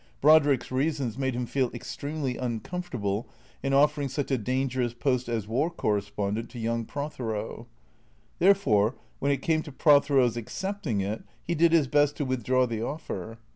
Brodrick's reasons made him feel extremely uncomfortable in offering such a dangerous post as War Correspondent to young Prothero, Therefore when it came to Prothero's accepting it, he did his best to withdraw the offer.